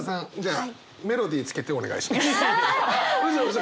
あ！